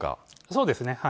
そうですね。